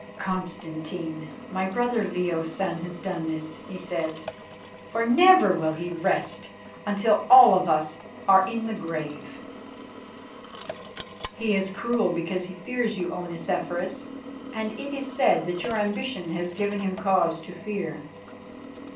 "Constantine, my brother Leo's son, has done this," he said, "for never will he rest until all of us are in the grave." "He is cruel because he fears you, O Nicephorus, and it is said that your ambition has given him cause to fear."